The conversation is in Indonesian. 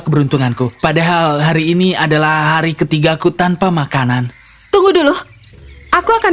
keberuntunganku padahal hari ini adalah hari ketiga aku tanpa makanan tunggu dulu aku akan